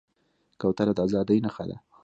کوتره د ازادۍ نښه ده.